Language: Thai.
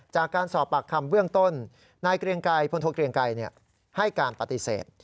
จากการสอบปากคำเบื้องต้นนายพลโทรเกลียงไกลให้การปฏิเสธ